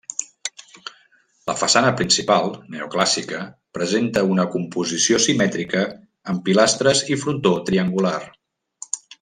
La façana principal, neoclàssica, presenta una composició simètrica, amb pilastres i frontó triangular.